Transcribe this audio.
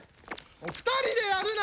２人でやるな！